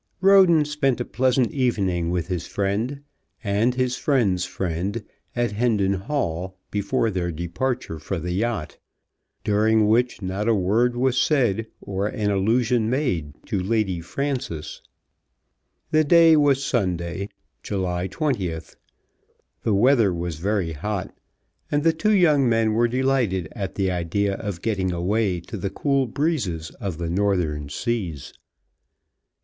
Roden spent a pleasant evening with his friend and his friend's friend at Hendon Hall before their departure for the yacht, during which not a word was said or an allusion made to Lady Frances. The day was Sunday, July 20th. The weather was very hot, and the two young men were delighted at the idea of getting away to the cool breezes of the Northern Seas.